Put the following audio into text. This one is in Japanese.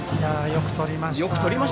よくとりました。